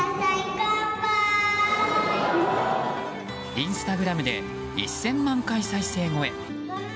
インスタグラムで１０００万回再生超え。